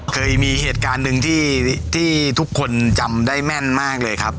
เคยมีเหตุการณ์หนึ่งที่ทุกคนจำได้แม่นมากเลยครับ